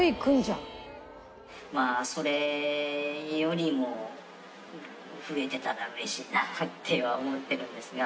まあそれよりも増えてたらうれしいなとは思ってるんですが。